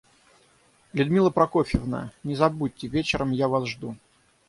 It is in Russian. Людмила Прокофьевна, не забудьте, вечером я Вас жду.